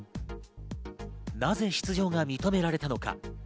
なぜ出場が認められたのか。